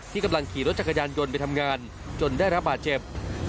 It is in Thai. กำลังขี่รถจักรยานยนต์ไปทำงานจนได้รับบาดเจ็บ